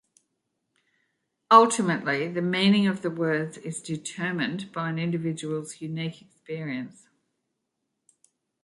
Ultimately, the meaning of the words is determined by an individuals unique experience.